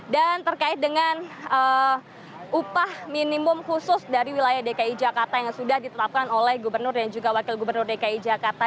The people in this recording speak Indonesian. dan terkait dengan upah minimum khusus dari wilayah dki jakarta yang sudah ditetapkan oleh gubernur dan juga wakil gubernur dki jakarta